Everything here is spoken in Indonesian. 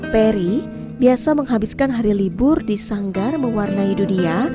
peri biasa menghabiskan hari libur di sanggar mewarnai dunia